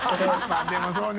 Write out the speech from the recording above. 泙でもそうね。